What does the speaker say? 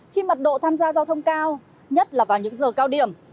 khi mật độ tham gia giao thông cao nhất là vào những giờ cao điểm